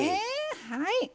はい。